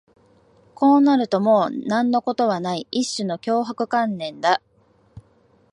こうなるともう何のことはない、一種の脅迫観念だ